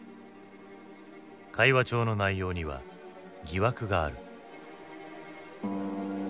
「会話帳の内容には疑惑がある」。